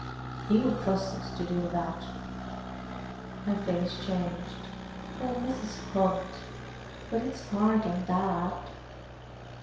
He would trust us to do that." Her face changed. "Oh, Mrs. Hunt,—but it's hard on Dad!"